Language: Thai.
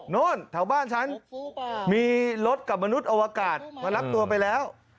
โน้นแถวบ้านฉันมีรถกับมนุษย์อวกาศมารับตัวไปแล้ว